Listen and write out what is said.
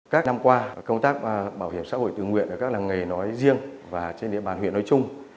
các năm qua công tác bảo hiểm xã hội tự nguyện ở các làng nghề nói riêng và trên địa bàn huyện nói chung